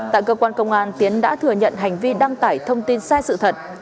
tại cơ quan công an tiến đã thừa nhận hành vi đăng tải thông tin sai sự thật